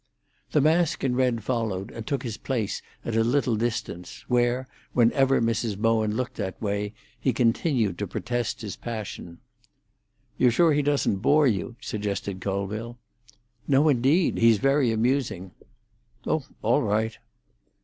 The mask in red followed, and took his place at a little distance, where, whenever Mrs. Bowen looked that way, he continued to protest his passion. "You're sure he doesn't bore you?" suggested Colville. "No, indeed. He's very amusing." "Oh, all right!"